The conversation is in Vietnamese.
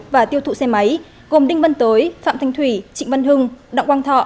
và tiêu thụ xe máy gồm đinh vân tới phạm thanh thủy trịnh văn hưng đọng quang thọ